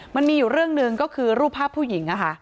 มันมีอยู่เรื่องหนึ่งก็คือรูปภาพผู้หญิง